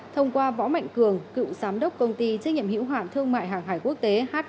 thông qua võ mạnh cường cựu giám đốc công ty trách nhiệm hữu hạn thương mại hàng hải quốc tế h